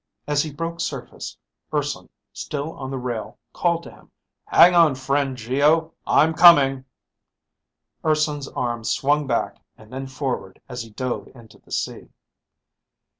As he broke surface, Urson, still on the rail called to him, "Hang on, friend Geo, I'm coming!" Urson's arms swung back, and then forward as he dove into the sea.